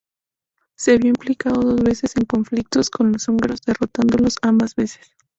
Se vio implicado dos veces en conflictos con los húngaros, derrotándolos ambas veces.